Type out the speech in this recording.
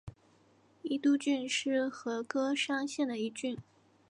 伊都郡是和歌山县的一郡。